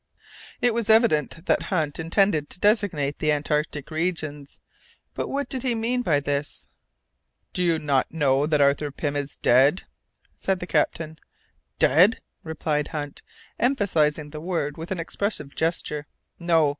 It was evident that Hunt intended to designate the Antarctic regions, but what did he mean by this? "Do you not know that Arthur Pym is dead?" said the captain. "Dead!" replied Hunt, emphasizing the word with an expressive gesture. "No!